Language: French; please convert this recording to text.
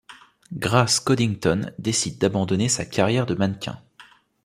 Grace Coddington décide d'abandonner sa carrière de mannequin.